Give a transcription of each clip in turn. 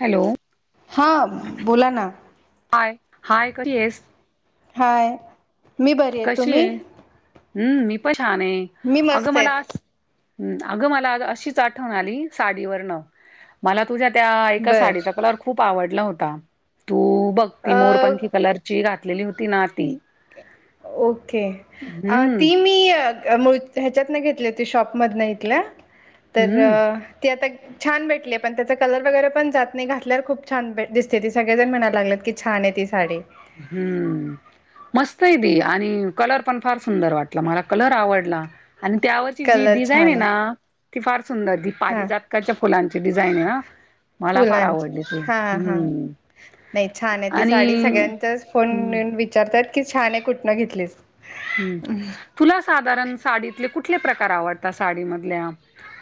Hello, हां बोला ना हाय, हाय कशी येस हाय, मी बरी कशी तुम्ही आहे? हम्म मी पण छान आहे. मी अगं मस्त मला आहेत आज ह् अगं मला आज अशीच आठवण आली साडीवरन मला तुझ्या त्या एका बर साडीचा कलर खूप आवडला होता, तू बघ ती अ, मोरपंखी कलरची घातलेली होती ना, ती ओके अं हम्म ती मी अ मुळ ह्याच्यात न घेतली होती शॉप मधंन इथल्या तर... हम्म ती आता छान भेटले पण त्याचा कलर वगैर पण जात नाही. घातल्यावर खूप छान दिसते ती सगळेजण म्हणायला लागलेत की, छान आहे ती साडी हम्म... मस्त हे ती आणि कलर पण फार सुंदर वाटला मला कलर आवडला आणि त्यावरची जी कलर डिझाईन हे छान आहे ना, ती फार सुंदर ती हां पारीजातकाच्या फुलांची डिझाईन आहे हम्म मला फार फुलांची आवडली ती हा हा नाही छान आहे ती आणि साडी सगळ्यांच्याच हम्म फोनन.. विचारतात की, छान हे कुठनं घेतलीस. हम् तुला साधारण साडीतले कुठले प्रकार आवडतात. साडी मधल्या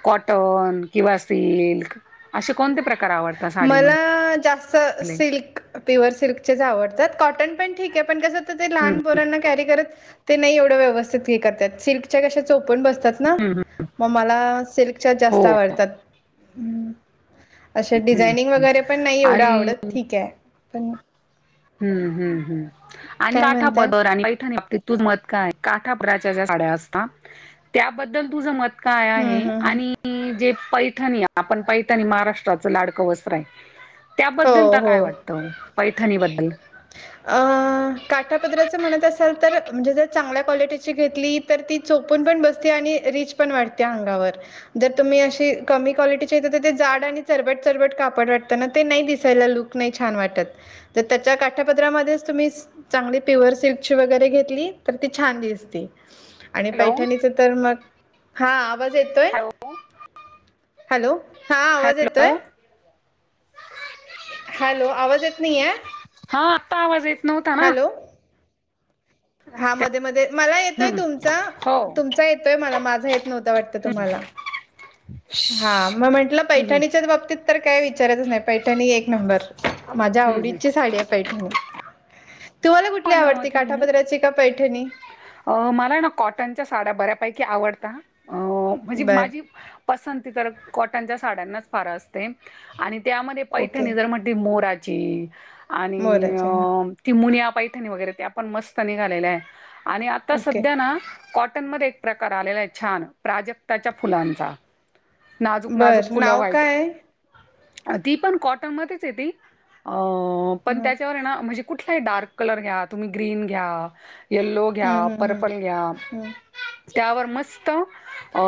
कॉटन किंवा सिल्क असे कोणते प्रकार आवडता साडीमधे अ.... जास्त सिल्क प्युअर सिल्कचेच आवडतात. कॉटन पण ठीक हे पण कस त ते हम्म लहान पोरांना कॅरी करत ते नाही एवढं व्यवस्थित हे करतात. सिल्कच्या कशा चोपूण बसतात ना, हम्म मग मला सिल्कच्या हो जास्त आवडतात. हम हम्म हम् नाही एवढं आणि आवडत ठीक आहे पण हम्म हम्म हम् आणि काय काठा म्हणताय पदर आणि पैठाणी बाबतीत तुझ मत काय? काठापदराच्या ज्या साड्या असता त्याबद्दल तुझं मत काय हम्म आहे हम्म हम्म आणि... जे पैठणी आपण पैठणी महाराष्ट्र च लाडकं वस्त्र आहे हो त्याबद्दल तुला काय हो वाटतं? पैठनीबद्दलं अ... काठापदराचं म्हणत असाल तर म्हणजे जर चांगल्या क्वालिटीची घेतली तर ती चोपून पण बसते आणि रिच पण वाटते अंगावर, जर तुम्ही अशी कमी क्वालिटीची येत तर ते जाड आणि चरबट-चरबट कापड वाटतं ना ते नाही दिसायला लुक नाही छान वाटतं. तर त्याच्या का काठापदरामध्येच तुम्ही चांगली प्युअर सिल्क ची वगैरे घेतली तर ती छान दिसते. आणि हॅलो पैठणीच तर मग हा आवाज येतोय. हॅलो हाॅलो हा आवाज येतोय्. हॅलो हॅलो आवाज येत नाही हाॅलो, हा आत्ता आवाज येत नव्हता ना, हा मध्ये-मध्ये मला येतोय हम्म तुमचा हो तुमचा येतोय मला माझा येत नव्हता वाटतं तुम्हाला, हा मग म्हंटलं हम्म हम्म पैठणीच्याच बाबतीत तर काय विचारायच नाही पैठणी एक नंबर माझ्या हम्म हम्म आवडीची साडी आहे पैठणी, तुम्हाला कुठली पण आवडती, काठापदराची का पैठणी अ... मला ना कॉटनच्या साड्या बऱ्यापैकी आवडता अ... म्हणजे बर माझी पसंती तर कॉटनच्या साड्यांनाच फार असते आणि त्यामध्ये ओके पैठणी जर म्हण ती मोराची आणि मोराचे हा ती मुनया पै वगैरे त्या पण मस्त निघालेले आहे. आणि आता ओके सध्या ना, कॉटनमध्ये एक प्रकार आलेला आहे छान प्राजक्ताच्या फुलांचा नाजूक-नाजूक बर फुलं नाव व्हाईट, काय ती पण कॉटनमध्येच येते, अ पण हम्म त्याच्यावरय ना म्हजे कुठलाही डार्क कलर घ्या तुम्ही ग्रीन घ्या, यल्लो हम्म घ्या, हम्म हम्म पर्पल घ्या हम्म. त्यावर मस्त, अ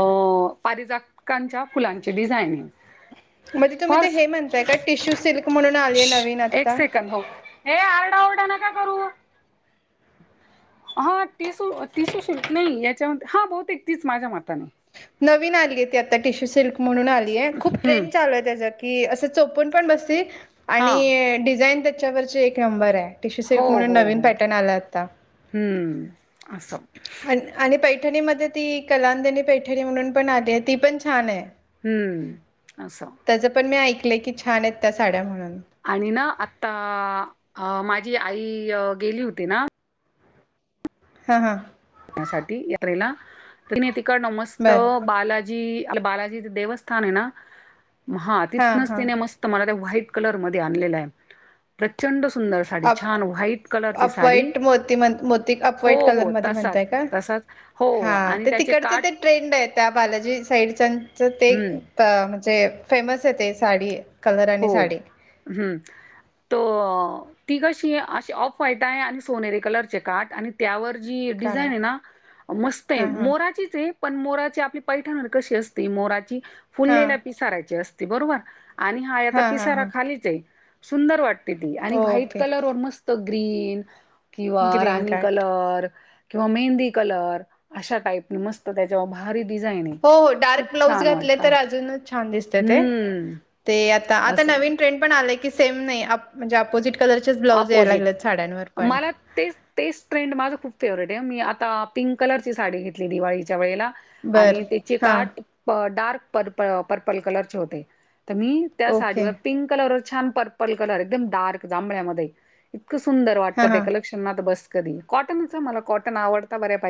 पारिजात कांच्या फुलांची डिझाईनय म्हणजे तुम्ही ते हे म्हणताय का? टिश्यू सिल्क म्हणून आलीय नवीन आत्ता? [unintelligible] ये, आरडा ओरडा नका करू हा टीसू टीसू शिल्क नाहीय, याच्यामध्ये हा बहुतेक तीच माझ्या मताने नवीन आलीय ती आता टिशू सिल्क म्हणून आलीय, खूप हम्म ट्रेंड चालूय त्याच की असं चोपून पण बसती हा आणि डिझाईन त्याच्यावरची एक नंबरय टिश्यू हो सिल्क म्हणून हो नवीन हो पॅटर्न आलाय् आत्ता हम्म, असं आण आणि पैठणीमध्ये ती कलांदनी पैठणी म्हणून पण आलीय ती पण छानय हम्म, असं त्याचं पण मी ऐकलंय की छानयत त्या साड्या म्हणून आणि ना आता माझी आई गेली होती ना? हां हां बघण्यासाठी यात्रेला तरी मी तिकडणं मस्त बरं बाला जी आपलं बालाजीचं देवस्थानय ना हा हां तिथूनच हां तिने मस्त स्त तिने मला त्या व्हाईट कलर मध्ये आणलेलाय प्रचंड सुंदर साडी अप छान व्हाईट कलरची साडी, अपवाईट मोती म्हण मोती अपवाईट हो हो कलरमध्ये तसाच म्हणताय का तसाच हो आणि त्याचे काठ ट्रेन्डय त्या बालाजी साईडच्यांच ते हम्म तर म्हणजे फेमसय ते साडी कलर आणि हो साडी हम्म तो ती कशी अशी ऑफ व्हाईट आहे आणि सोनेरीे कलरचे काठ आणि त्यावर जी काय डिझाईनय ना मस्तय हां, हां. मोराचीचय पण मोराची आपली पैठण कशी असते मोराची हां. फुललेल्या पिसारायची अस बरोबर आणि हा याचा हां, हां, पिसारा हां. खालीचय, सुंदर वाट आणि व्हाईट ओके. कलरवर मस्त ग्रीन किंवा ग्रीन राणी कार्ट. कलर किंवा मेहंदी कलर अशा टाईपने मस्त तर त्याच्यावर भारी डिझाईनय हो हो डार्क ब्लाऊज घातले तर अजूनच छान दिसतं ते हम्म आत्ता ते आता असं नवीन ट्रेंड पण आले की सेम नाही म्हणजे अपोजिट कलरचेच ब्लाउज याय अपोजिट लागलेत साड्यांवर पण मला तेच तेच ट्रेंड माझं खूप फेवरेटय, मी आता पिंक कलरची साडी घेतली दिवाळीच्या वेळेला आणि बरं. त्याचे हां. काट डार्क प पर्पल कलरचे होते, तर मी त्या ओके. साडीवर पिंक कलर व छान पर्पल कलर एकदम डार्क जांभळ्यामध्ये इतकं सुंदर हां, वाटतं ते हां. कलेक्शन आता बस कधी कॉटनच मला कॉटन आवड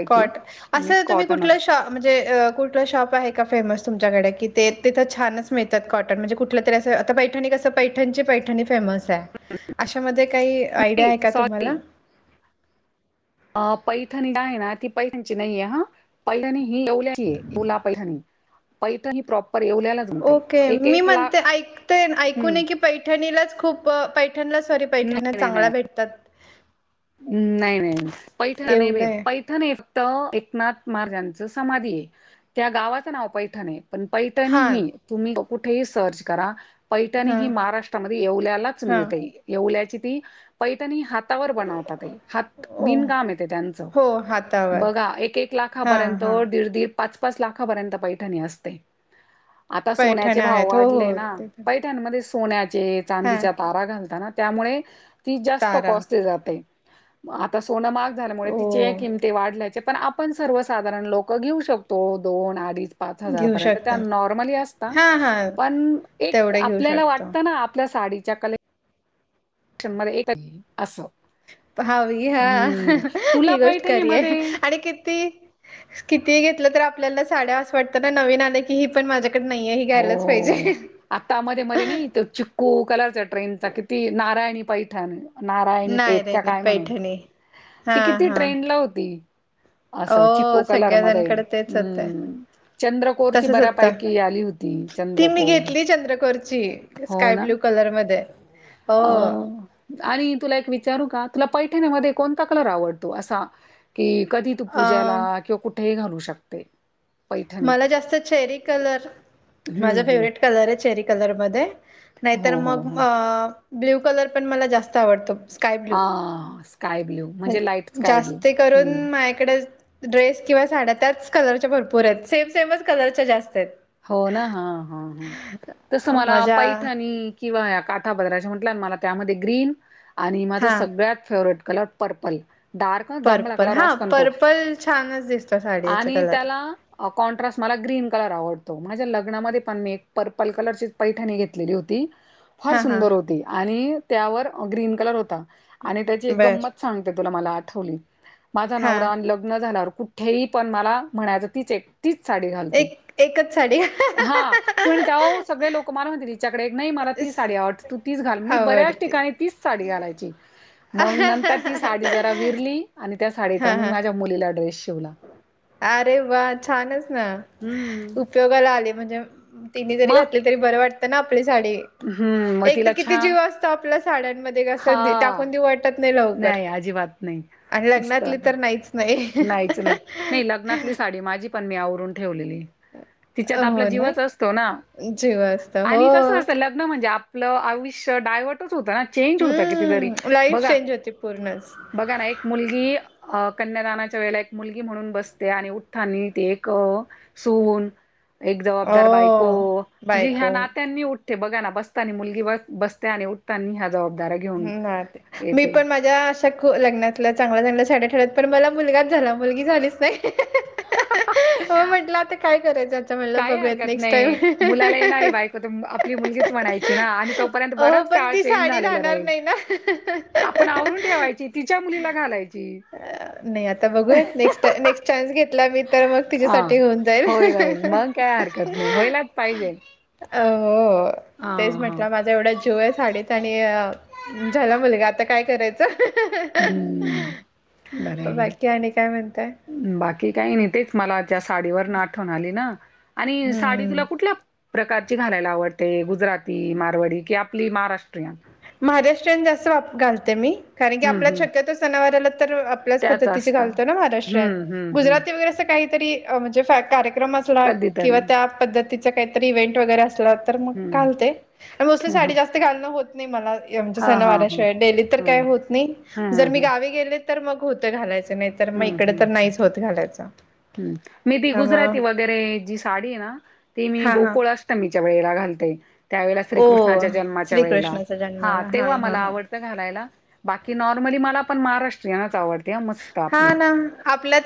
कॉट असं तुम्ही कुठला शा म्हणजे कुठला शॉप आहे का फेमस तुमच्याकडे? की ते तिथं छानच मिळतात कॉट न म्हणजे कुठ तरी असं आता पैठणी कसं, पैठणचे पैठणी फेमस अशामध्ये काही आयडिया आहे नाही का तुम्हाला? सॉरी अ पैठणी आहे ना, ती पैठणची नाहीय हा पैठणी ही येवल्यातलीय, पैठणी प्रॉपर येवल्याला जमते ओके. एक मी एक म्हणते लाख ऐकते ऐकू हम्म नये की पैठणीलाच खूप पैठणला सॉरी पैठण्या नाही नाही चांगल्या नाही. भेटतात. नाही नाही पैठ नाही भ येवले पैठ. पैठण हे फक्त एकनाथ महाराजांच समाधी आहे त्या गावाचं नाव पैठण आहे. पण हां, पैठणीही तुम्ही कुठेही सर्च करा. पैठणी ही हां, महाराष्ट्रामध्ये येवल्यालाच हां. मिळते. येवल्याची ती पैठणी हात तावर बनवतात ते हात ओ विनकाम येते त्यांचं. हो हाता बघा एक एक लाखापर्यंत दीड दीड पाच पाच लाखापर्यंत पैठणी असते. आता सोन्याचे पैठण्या भाव आहेत. हो, वाढले हो. ना. ते तर. पैठणी यांमध्ये सोनचे हां. चांदीच्या तारा घालताना त्यामुळे ती जास्त तारा. कॉस्टली जाते. आता सोनं माग झाल्यामुळे तिचे ओ. किमती वाढल्याचे पण आप आपण सर्वसाधारण लोक घेऊ शकतो दोन अडीच पाच हजारा घेऊ पर्यंत शकता त्या नॉर्मली असता. हा हा पण एक तेवढे घेऊ आपल्याला शकतो. वाटत ना आपल्या साडीच्या कले लेक्शन मध्ये एक तरी असो. हवी हा. तुला ही गोष्ट पैठणी करीय. मध्ये आणि किती. किती घेतलं तर आपल्याला साड्या असं वाटत ना नवीन आल्या की ही पण माझ्या नाहीे हाय ही घेईलाच पाहिजे. हो कू कलरचा ट्रेनचा किती नारायणी पैठणी. नारायण नाही पेठ त्याया नाही काय म्हणून पैठणी हा ती किती हा ट्रेनला होती. असं चिकू हो कलर मध्ये. सगळ्याजणकडे तेच होतं हम्म. चंद्रकोरची तसच होतं. बऱ्यापैकी आली होती. ती मी चंद्रकोर घेतली चंद्रकोरची. हो स्काय ना. ब्ल्यू कलर मध्ये हो. आणि तुला एक विचारू का? तुला पैठणीमध्ये कोणता कलर आवडतो असा? कि कधी तू अ पूजाला किंवा कुठेही घालू शकते. पैठणी? मला जास्त चेरी कलर. हं, माझा हं. फेवरेट कलर आहे चेरी कलर मध्ये. नाहीतर हो, हो, मग हो. अ ब्ल्यू कलर पण मला जास्त आवडतो. Sky blue. हां, स्काय ब्लू म्हणजे लाईट स्काय ब्लू. जास्ती करून हं. माझ्याकडे ड्रेस किंवा साड्या त्याच कलरच्या भरपूर आहेत. सेम सेमच कलरच्या जास्त आहेत. हो ना. हा हा ह. तसं अ, मला माझ्या पैठणी, किंवा या काठा पद्रा म्हटल्या मला त्यामध्ये ग्रीन आणि माझ हां सगळ्यात फेवर्हेट कलर पर्पल. डार्क जांभळा पर्पल कलर हां असताना तो. पर्पल छानच दिसतो साडीचा आणि कलर त्याला कॉन्ट्रास्टला ग्रीन कलर आवडतो. माझ्या लग्नामध्ये पण मी एक पर्पल कलरची पैठणी घेतलेली होती. फार हां हां सुंदर होती. आणि त्यावर ग्रीन कलर होता. आणि त्याची एक बर गंमत सांगते तुला मला आठवली. माझा हां नवरा झाल्यावर कुठेही पण मला म्हणायचं तीच एक तीच साडी घाल तू. एक एकच साडी. हा. क त्या सगळे लोक मला त्याकडे नाही मला ती साडी आवड तू ती घाल मी बऱ्याच आवडते ठिकाणी तीच साडी घालायची. मग नंतर ती साडी जरा विरली आणि त्या साडीचा हां मग हां माझ्या मुलीला ड्रेस शिवला. अरे वा! छानच ना. हम्म. उपयोगाला आले म्हणजे. तिने जरी मग घातले तरी बरं वाटतं ना आपली साडी. हं, मग एक तर तिला किती छा जीव असतो आपल्या साड्यांमध्ये कसं टाकून हां. देऊ वाटत नाही ल कर. अजिबात नाही. मस्त लग्नातली वाटलं. तर नाहीच. नाही नाहीच नाही नइ लग्नातली साडी माझी पण मी आवरून ठेवलेली. तिच्यात आपला हो ना जीवच असतो ना जीव असत हो आणि कस असत ल ग्न म्हणजे आपलं आयुष्य डायवर्टच होतं ना. चेंज होतं किती तरी हम्म लाईफ बघा चेंज होती पूर्णच बघा ना एक मुलगी कन्यादान च्या वेळी एक मुलगी म्हणून बसते आणि उठतानी एक सून, एक जबाबदार बायको, हो म्हणजे ह्या बायको नात्यांनी उ ते बघाना बसतानी मुलगी बस बसते आणि उठताना न्ह्या जावा मग. हो ना ते मी पण माझ्या खूप लग्नातल्या चांगल्या चांगल्या साड्या ठेळ्यात पण मला मुलगाच झाला मुलगी झालीच नाही. हो म्हंटलं आता काय करायचं म्हटलं काही बघूयात हरकत नेक्स्ट नाही टाइम मुलाला येणारी बायकोत आपली मुलगीच म्हणायची ना आणि तो तोपर्यंत हो बरच पण काळ ती चेंज साडी झालेला राहणार राहीलं. नाही ना आपण आवरून ठेवायची तिच्या मुलीला घालायची. नाही आता बघूया नेक्स्ट नेक्स्ट चान्स घेतला मी तर मग हा. तिच्यासाठी होेऊन होईल होईल जाईल. मग काय हरकत नाही होयलाच पाहिजे. अ हो हा तेच हा. म्हटलं माझा एवढा जीव आहे साडीत आणि अ झाला मुलगा आता काय करायचं? हम्म बरय बरय बाकी आणि काय म्हणताय आहे. बाकी काही नाही तेच मला त्या साडीवरन आठवण आली ना आणि हम्म साडी हम्म तुला कुठला प्रकारची घालायला आवडते गुजराती, मारवडी कि आपली महाराष्ट्रीयन. महाराष्ट्रन जास्त वा घालते मी कारण की हम्म आपल्या हम्म शक्यतो सणावारला तर आपल्याला त्याच पद्धतीचे असता घालते महाराष्ट्रीयन हम्म हम्म हम्म गुजराती वगैरे काहीतरी म्हणजे कार्यक्रम असले. पुना किंवा कधीतरी त्या पद्धतीचा काहीतरी इव्हेंट वगैरे असलात. तर मग हम्म. घालते मोस्ली साडी जास्त घालण होत नाही मला. आमच्या हा हा हा सणावारशिवाय डेलीत तर हा काय होत नाही हा जर मी ह गावी गेले तर मग होतं घालायचं नाही. तर मग इकड तर नाहीच होत घाला. याचा, ह मी बी गुजराती वगैरे जी साडी आहे ना ती मी हा हा गोकुळ अष्ट मीच्या वेळेला घालते त्यावेला ओ श्रीकृष्णाच्या वेळेला श्रीकृष्णाचा हा जन्माला तेव्हा हा मला हा. आवड. घालायला बाकी नॉर्मली मला पण महाराष्ट्रीयनच आवडते मस्त, आपली हा ना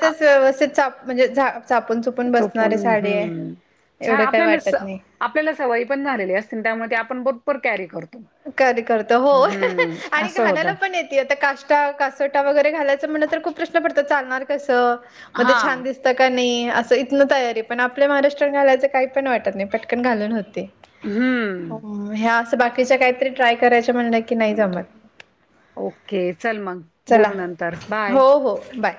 आ- व्यवस्थित चा म्हणजे चापून चो, पून बसणारी चोपून साडी हम्म एवढ छान काही आपल्याला स वाटत नाही. आपल्याला सवय पण झालेली असते त्यामुळे आपण बरोबर कॅरी करतो. कर करत हो हम्म आणि असं होत घालायला पण येते आता काष्ट, ट्या कासोटा वगरे घालायच म्हणजे खुप प्रश्न पडतात चालणार कसं मध्ये हा छानस दिस. त का नाही असं इथनं तयारी पण आपल्या महाराष्ट्रयन घालायचं काही पण वाटत नाही पटकन घालून होते. हम्म ह्या अस बाकीच्या काहीतरी ट्राय करायच्या म्हणलं, कि नाही हम्म जमत ओके चल मग चला बोलू नंतर बाय. हो हो बाय.